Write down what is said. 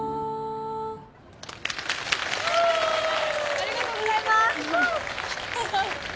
ありがとうございます！